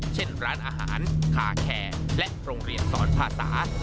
เช่นร้านอาหารคาแคร์และโรงเรียนสอนภาษา